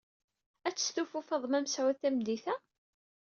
Ad testufu Faḍma Mesɛud tameddit-a?